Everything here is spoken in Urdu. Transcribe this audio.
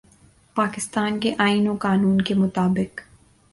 پاکستان کے آئین و قانون کے مطابق